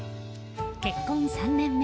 結婚３年目。